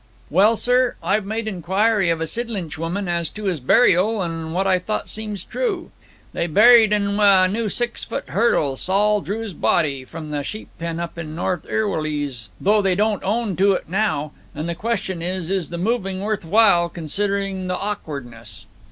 Well, sir; I've made inquiry of a Sidlinch woman as to his burial, and what I thought seems true. They buried en wi' a new six foot hurdle saul drough's body, from the sheep pen up in North Ewelease though they won't own to it now. And the question is, Is the moving worth while, considering the awkwardness?'